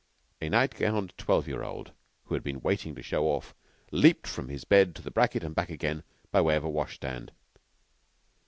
A nightgowned twelve year old, who had been waiting to show off, leaped from his bed to the bracket and back again, by way of a washstand.